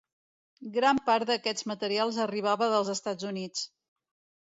Gran part d'aquests materials arribava dels Estats Units.